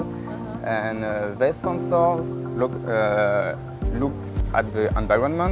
dan sensor sensor ini melihat lingkungan